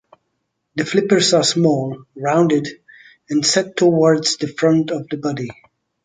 The flippers are small, rounded and set towards the front of the body.